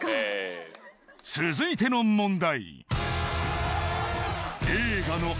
続いての問題